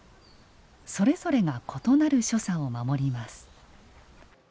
それぞれが異なる所作を守ります。